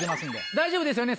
大丈夫ですよね？